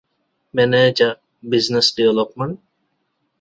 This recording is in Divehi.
މެނޭޖަރ، ބިޒްނަސް ޑިވެލޮޕްމަންޓް